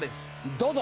どうぞ！